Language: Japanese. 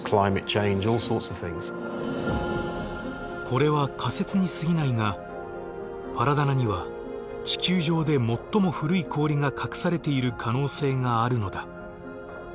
これは仮説にすぎないがパラダナには地球上で最も古い氷が隠されている可能性があるのだ。